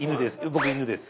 僕戌です」。